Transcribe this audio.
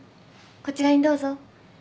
こちらにどうぞ。